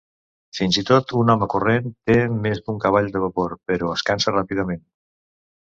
Fins i tot un home corrent té més d'un cavall de vapor, però es cansa ràpidament.